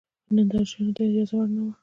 نندارچیانو ته اجازه نه وه.